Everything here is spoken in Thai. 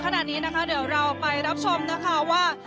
ขณะนี้นะคะเดี๋ยวเราไปรับชมนะคะว่า